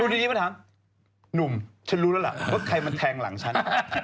ทีนี้มาถามหนุ่มฉันรู้แล้วล่ะว่าใครมันแทงหลังฉัน